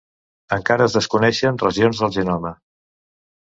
Encara es desconeixen regions del genoma